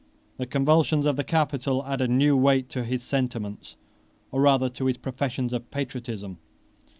The convulsions of the capital added new weight to his sentiments, or rather to his professions of patriotism.